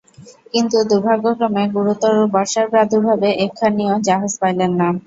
কিন্তু দুর্ভাগ্যক্রমে গুরুতর বর্ষার প্রাদুর্ভাবে একখানিও জাহাজ পাইলেন না।